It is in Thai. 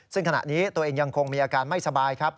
ซึ่งขณะนี้ตัวเองยังคงมีอาการไม่สบายครับ